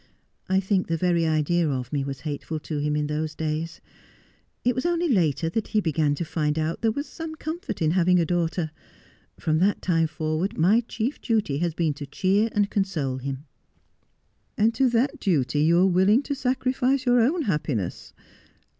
I think the very idea of me was hateful to him in those days. It was only later that he began to find out there was some comfort in having a daughter. From that time forward my chief duty has been to cheer and console him.' ' And to that duty you are willing to sacrifice your own happiness?